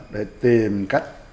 để tìm cách